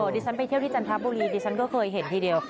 ดิฉันไปเที่ยวที่จันทบุรีดิฉันก็เคยเห็นทีเดียว